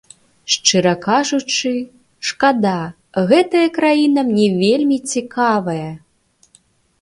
Шчыра кажучы, шкада, гэтая краіна мне вельмі цікавая.